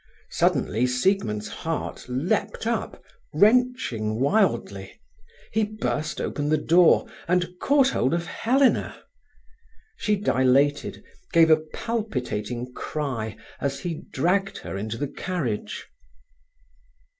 Suddenly Siegmund's heart leaped up, wrenching wildly. He burst open the door, and caught hold of Helena. She dilated, gave a palpitating cry as he dragged her into the carriage.